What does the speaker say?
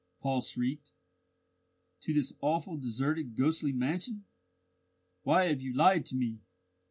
Paul shrieked. "To this awful, deserted ghostly mansion! Why have you lied to me?"